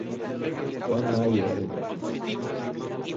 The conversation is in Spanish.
Juan va a llegar el martes.